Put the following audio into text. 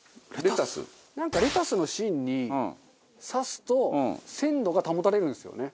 なんかレタスの芯に刺すと鮮度が保たれるんですよね。